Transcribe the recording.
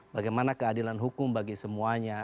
bagaimana keadilan hukum bagi semuanya